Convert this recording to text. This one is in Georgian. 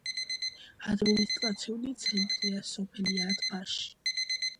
ადმინისტრაციული ცენტრია სოფელი ათ-ბაში.